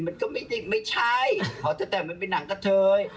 มันก็ไม่ใช่อ๋อแต่มันเป็นหนังกะเทย